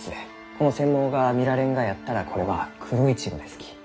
この腺毛が見られんがやったらこれはクロイチゴですき。